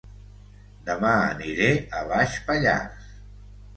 Dema aniré a Baix Pallars